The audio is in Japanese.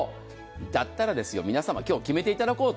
だったら皆様、今日、決めていただこうと。